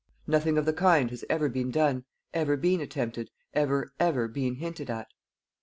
Nothing of the kind has ever been done, ever been attempted, even ever been hinted at.